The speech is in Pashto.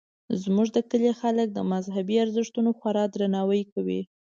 زموږ د کلي خلک د مذهبي ارزښتونو خورا درناوی کوي